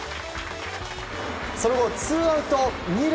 その後、ツーアウト２塁。